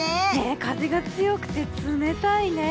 風が強くて冷たいね。